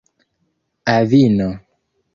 avino